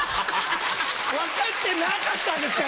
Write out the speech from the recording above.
分かってなかったんですか？